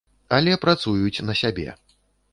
Але працуюць на сябе.